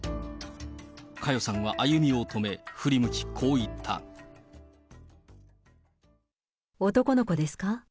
佳代さんは歩みを止め、振り向き、男の子ですか？